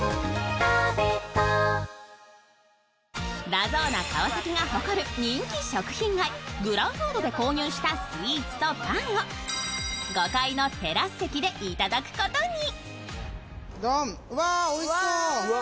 ラゾーナ川崎が誇る人気食品街、グランフードで購入したスイーツとパンを５階のテラス席で頂くことに。